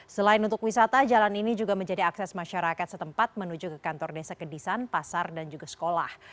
selain untuk wisata jalan ini juga menjadi akses masyarakat setempat menuju ke kantor desa kedisan pasar dan juga sekolah